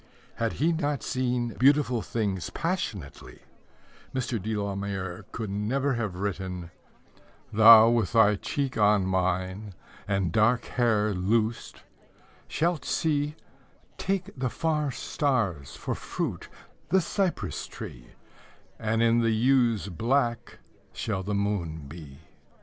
Had he not seen beautiful things passionately, Mr. de la Mare could never have written: Thou with thy cheek on mine, And dark hair loosed, shalt see Take the far stars for fruit The cypress tree, And in the yew's black Shall the moon be.